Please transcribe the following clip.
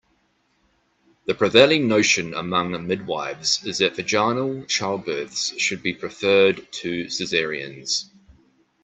The prevailing notion among midwifes is that vaginal childbirths should be preferred to cesareans.